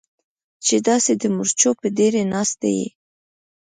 چې داسې د مرچو په ډېرۍ ناسته یې.